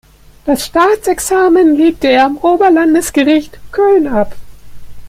Das Staatsexamen legte er am Oberlandesgericht Köln ab.